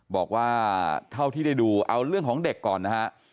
บอกว่าเท่าที่ได้ดูเอาเรื่องของเด็กก่อนนะฮะ